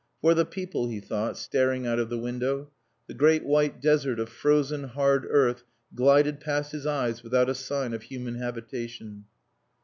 "For the people," he thought, staring out of the window. The great white desert of frozen, hard earth glided past his eyes without a sign of human habitation.